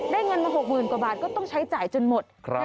เงินมา๖๐๐๐กว่าบาทก็ต้องใช้จ่ายจนหมด